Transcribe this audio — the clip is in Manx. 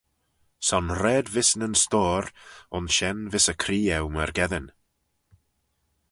Son raad vees nyn stoyr, aynshen vees y cree eu myrgeddin.